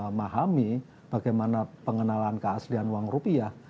memahami bagaimana pengenalan keaslian uang rupiah